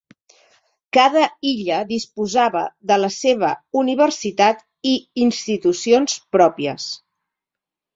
Cada illa disposava de la seva universitat i institucions pròpies.